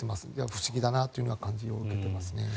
不思議だという感じをしています。